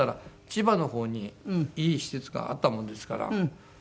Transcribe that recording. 千葉の方にいい施設があったもんですから。